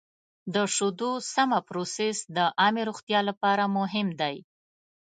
د شیدو سمه پروسس د عامې روغتیا لپاره مهم دی.